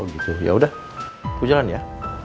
oh gitu yaudah aku jalan ya